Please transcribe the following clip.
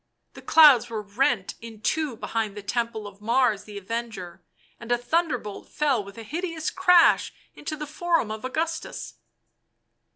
The clouds were rent in two behind the temple of Mars the Avenger, and a thunder bolt fell with a hideous crash into the Forum of Augustus.